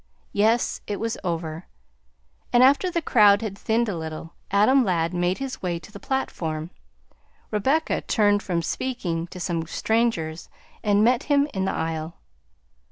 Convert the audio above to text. Yes, it was over, and after the crowd had thinned a little, Adam Ladd made his way to the platform. Rebecca turned from speaking to some strangers and met him in the aisle.